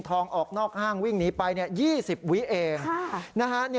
ออกนอกห้างวิ่งหนีไป๒๐วิเอง